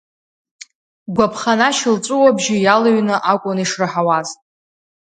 Гәаԥханашь лҵәыуабжьы иалыҩны акәын ишраҳауаз.